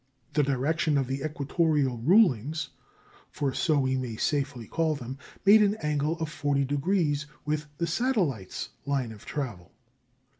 The direction of the equatorial rulings (for so we may safely call them) made an angle of 40° with the satellites' line of travel.